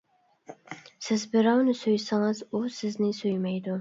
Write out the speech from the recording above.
سىز بىراۋنى سۆيسىڭىز ئۇ سىزنى سۆيمەيدۇ.